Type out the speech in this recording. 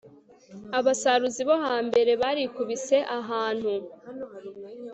Abasaruzi bo hambere barikubise ahantu